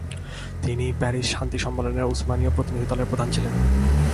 তিনি প্যারিস শান্তি সম্মেলনে উসমানীয় প্রতিনিধিদলের প্রধান ছিলেন।